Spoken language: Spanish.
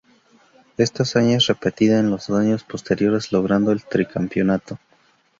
Esta hazaña es repetida en los dos años posteriores, logrando el tricampeonato.